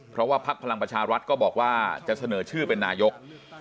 เพราะว่าพักพลังประชารัฐก็บอกว่าจะเสนอชื่อเป็นนายก